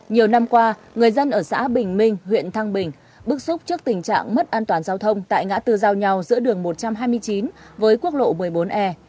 nhiều năm qua người dân ở xã bình minh huyện thăng bình bức xúc trước tình trạng mất an toàn giao thông tại ngã tư giao nhau giữa đường một trăm hai mươi chín với quốc lộ một mươi bốn e